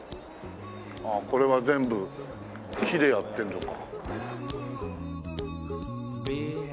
ああこれは全部木でやってんのか。